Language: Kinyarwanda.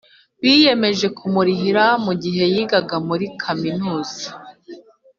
Biyemeje Kumurihira Mu Gihe Yigaga Muri kaminuza